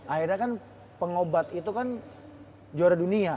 akhirnya kan pengobat itu kan juara dunia